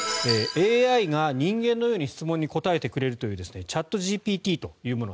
ＡＩが人間のように質問に答えてくれるというチャットＧＰＴというもの